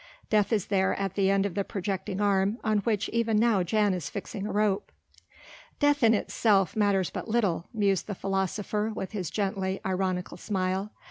Death is there at the end of the projecting arm on which even now Jan is fixing a rope. "Death in itself matters but little," mused the philosopher with his gently ironical smile.